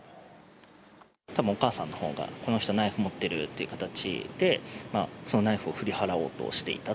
たぶんお母さんのほうが、この人、ナイフ持ってるっていう形で、そのナイフを振り払おうとしていた。